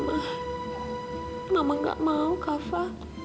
mama gak mau kava